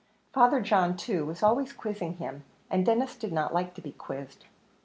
Father John too was always quizzing him, and Denis did not like to be quizzed.